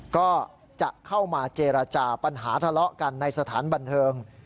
ก็จะเข้ามาเจรจาปัญหาทะเลาะกันในสถานบันเทิง